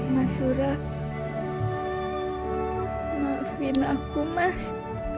mas surah aku juga merasa sedih